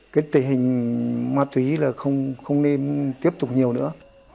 cái tình hình ma túy là không nên tiếp tục nhiều nữa